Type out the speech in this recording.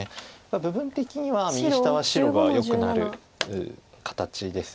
部分的には右下は白がよくなる形です。